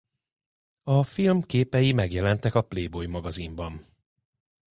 A film képei megjelentek a Playboy magazinban.